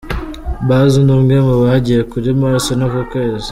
Buzz ni umwe mu bagiye kuri Mars no ku kwezi.